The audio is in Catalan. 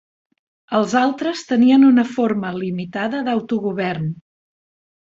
Els altres tenien una forma limitada d'autogovern.